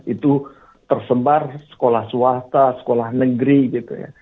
itu tersebar sekolah swasta sekolah negeri gitu ya